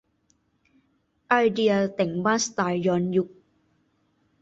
ไอเดียแต่งบ้านสไตล์ย้อนยุค